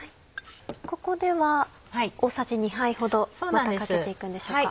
ここでは大さじ２杯ほどまたかけて行くんでしょうか。